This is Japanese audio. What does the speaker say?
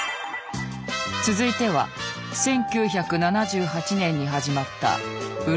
続いては１９７８年に始まった「ウルトラアイ」。